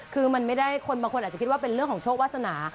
คือมันไม่ได้คนบางคนอาจจะคิดว่าเป็นเรื่องของโชควาสนา